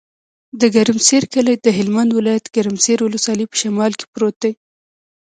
د ګرمسر کلی د هلمند ولایت، ګرمسر ولسوالي په شمال کې پروت دی.